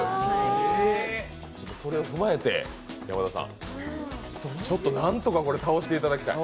それを踏まえて山田さん、何とか倒していただきたい。